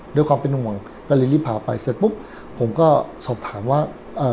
ด้วยความเป็นห่วงก็เลยรีบพาไปเสร็จปุ๊บผมก็สอบถามว่าเอ่อ